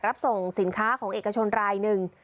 รับส่งสินค้าของเอกชนรายหนึ่ง